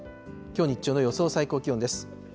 きょう日中の予想最高気温です。